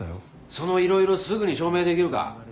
その色々すぐに証明できるか？